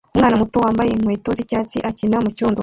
umwana muto wambaye inkweto z'icyatsi akina mucyondo